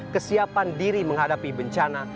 kesiapan diri menghadapi bencana